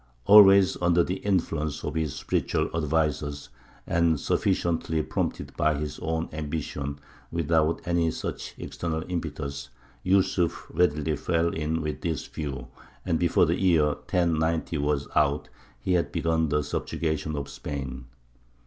Always under the influence of his spiritual advisers, and sufficiently prompted by his own ambition without any such external impetus, Yūsuf readily fell in with this view, and before the year 1090 was out he had begun the subjugation of Spain.